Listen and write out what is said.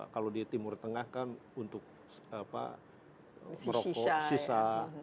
kalau di timur tengah kan untuk merokok sisa